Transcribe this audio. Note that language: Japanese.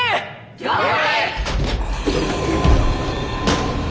了解！